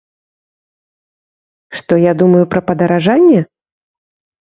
Што я думаю пра падаражанне?